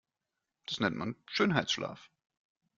Das nennt man Schönheitsschlaf.